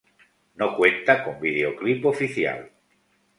No cuenta con video clip oficial.